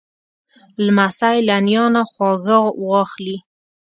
لمسی له نیا نه خواږه واخلې.